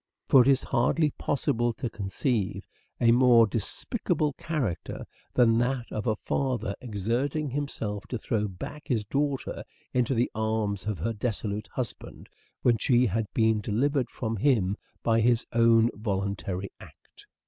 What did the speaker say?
For it is hardly possible to conceive EARLY MANHOOD OF EDWARD DE VERE 283 a more despicable character than that of a father exerting himself to throw back his daughter into the arms of her dissolute husband when she had been delivered from him by his own voluntary act.